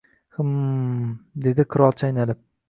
— Himm... himm... — dedi qirol chaynalib. -